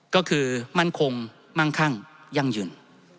ก็คือมั่นคงมั่งคั่งยั่งยืน